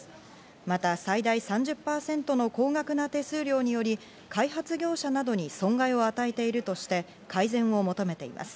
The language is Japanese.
また最大３０％の高額な手数料により開発業者などに損害を与えているとして改善を求めています。